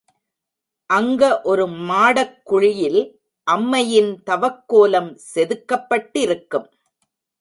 அங்க ஒரு மாடக்குழியில் அம்மையின் தவக்கோலம் செதுக்கப்பட்டிருக்கும்.